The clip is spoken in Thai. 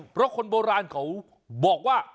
เพราะคนโบราณเขาบอกว่า